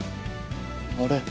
あれ。